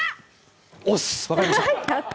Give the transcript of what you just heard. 押忍、分かりました！